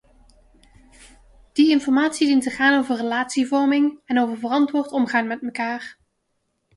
Die informatie dient te gaan over relatievorming en over verantwoord omgaan met mekaar.